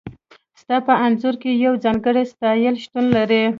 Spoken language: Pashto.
ستا په انځور کې یو ځانګړی سټایل شتون لري